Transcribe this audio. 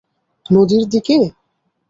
নদীর দিকে?